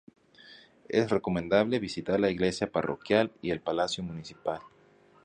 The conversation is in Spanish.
Es recomendable visitar la iglesia parroquial y el palacio municipal.